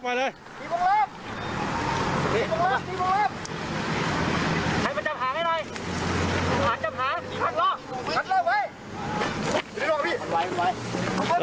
ข้างถึงผ่านจะขาถ้าขนล่อก